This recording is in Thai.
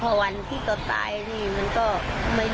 พอโทรไปหลังโทรศัพท์ไม่รับแล้ว